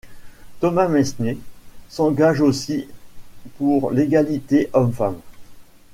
Thomas Mesnier s'engage aussi pour l'égalité hommes-femmes.